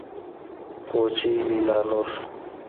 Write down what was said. كوچۍ ليلا نور